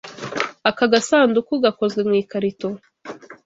Aka gasanduku gakozwe mu ikarito.